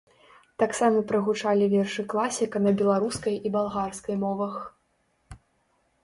Таксама прагучалі вершы класіка на беларускай і балгарскай мовах.